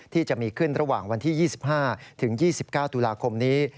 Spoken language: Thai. ที่จะมีขึ้นระหว่างวันที่๒๕๒๙ตุลาคมนี้